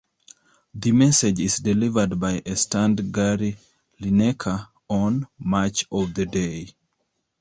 The message is delivered by a stunned Gary Lineker on "Match of the Day".